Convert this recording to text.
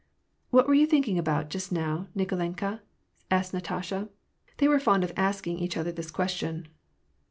"What were you thinking about just now, Nikolenka?" asked Natasha. They were fond of asking each other this question.